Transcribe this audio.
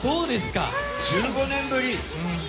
１５年ぶり。